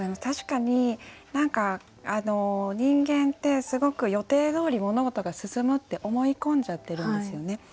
確かに何か人間ってすごく予定どおり物事が進むって思い込んじゃってるんですよね。